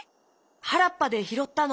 はらっぱでひろったの。